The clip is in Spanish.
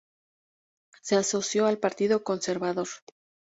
Se asoció al Partido Conservador.